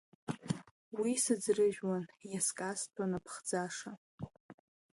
Уи сыӡрыжәуан, иазкасҭәон аԥхӡаша…